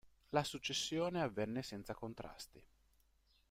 La successione avvenne senza contrasti.